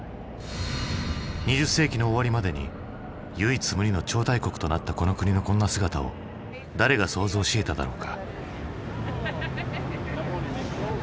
２０世紀の終わりまでに唯一無二の超大国となったこの国のこんな姿を誰が想像しえただろうか？